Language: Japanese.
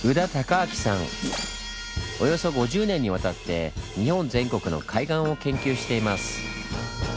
およそ５０年にわたって日本全国の海岸を研究しています。